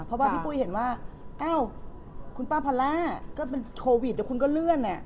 เพราะว่าพี่ปุ้ยเห็นว่าอ้าวคุณป้าพาล่าก็เป็นโควิดเดี๋ยวคุณก็เลื่อน